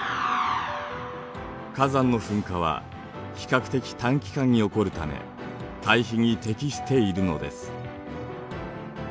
火山の噴火は比較的短期間に起こるため対比に適しているのです。